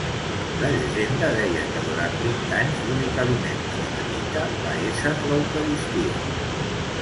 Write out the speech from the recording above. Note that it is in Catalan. La llegenda deia que durant vint anys l'únic aliment de l'eremita va ésser l'Eucaristia.